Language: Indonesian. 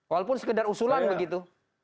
walaupun sekedar usulan begitu